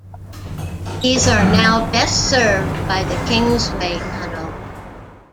These are now best served by the Kingsway tunnel.